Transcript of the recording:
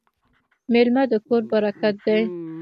میلمه د کور برکت دی.